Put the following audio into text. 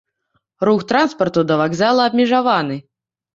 Рух транспарту да вакзала абмежаваны.